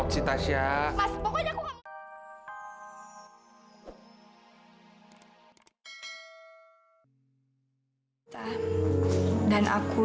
masya allah bu